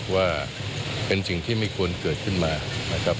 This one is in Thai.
ว่าเป็นสิ่งที่ไม่ควรเกิดขึ้นมานะครับ